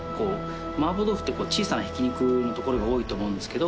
麻婆豆腐って小さなひき肉のところが多いと思うんですけど